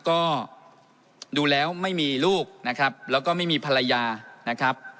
ก็ดูแล้วไม่มีลูกนะครับแล้วก็ไม่มีภรรยานะครับ